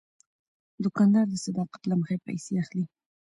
دوکاندار د صداقت له مخې پیسې اخلي.